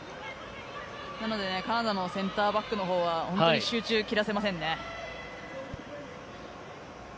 なので、カナダのセンターバックのほうは本当に集中を切らせませんね。